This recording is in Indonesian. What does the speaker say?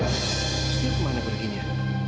terus dia kemana perginya